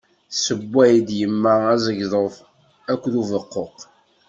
Tsewway-d yemma azegḍuf akked ubeqquq.